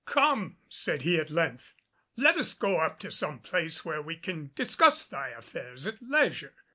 "Come," said he at length, "let us go to some place where we can discuss thy affairs at leisure."